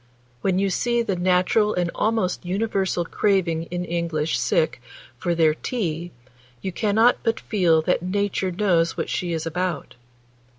When you see the natural and almost universal craving in English sick for their 'tea,' you cannot but feel that Nature knows what she is about.